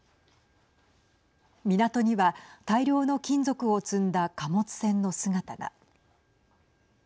港には、大量の金属を積んだ貨物船の姿が。